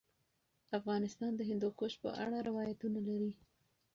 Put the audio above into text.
افغانستان د هندوکش په اړه روایتونه لري.